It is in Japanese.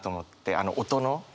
あの音の話。